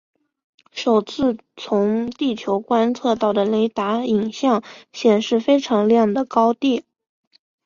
首次从地球观测到的雷达影像显示非常亮的高地。